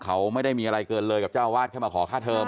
เขาไม่ได้มีอะไรเกินเลยกับเจ้าอาวาสแค่มาขอค่าเทอม